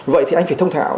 vậy thì anh phải thông thảo